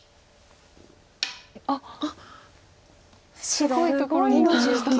あっすごいところに打ちました。